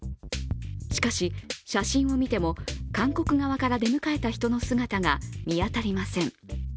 しかし、写真を見ても韓国側から出迎えた人の姿が見当たりません。